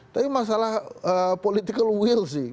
tapi masalah political will sih